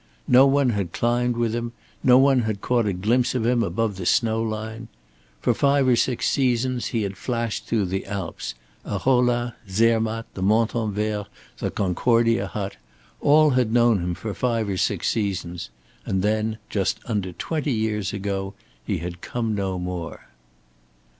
No one had climbed with him, no one had caught a glimpse of him above the snow line. For five or six seasons he had flashed through the Alps. Arolla, Zermatt, the Montanvert, the Concordia hut all had known him for five or six seasons, and then just under twenty years ago he had come no more.